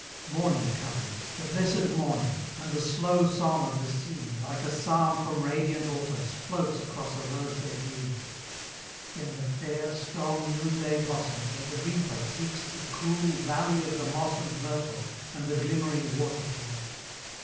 Morning comes the blessed morning! and the slow song of the sea, Like a psalm from radiant altars, floats across a rose red lea; Then the fair, strong noonday blossoms, and the reaper seeks the cool Valley of the moss and myrtle, and the glimmering water pool.